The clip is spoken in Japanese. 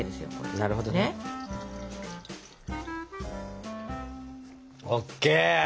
なるほどね。ＯＫ。